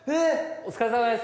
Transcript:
お疲れさまです。